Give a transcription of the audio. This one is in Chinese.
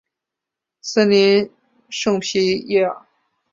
森林圣皮耶尔。